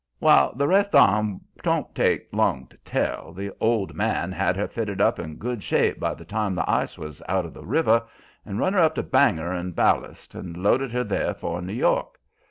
"Wal, the rest on 'twon't take long to tell. The old man had her fitted up in good shape by the time the ice was out of the river, and run her up to Bangor in ballast, and loaded her there for New York.